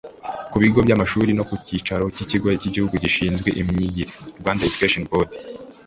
ku bigo by’amashuri no ku cyicaro cy’ikigo cy’igihugu gishinzwe imyigire (Rwanda Education Board)